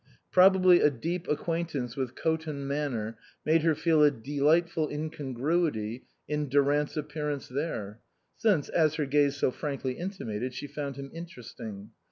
Probably a deep acquaintance with Coton Manor made her feel a delightful incongruity in Durant's appearance there, since, as her gaze so frankly intimated, she found him interesting.